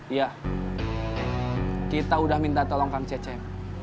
iya kita udah minta tolong kangkang